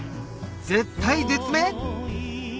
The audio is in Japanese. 絶体絶命